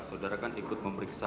sudara kan ikut memeriksa